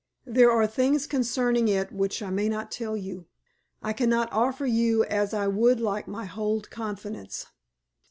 There are things concerning it which I may not tell you. I cannot offer you as I would like my whole confidence.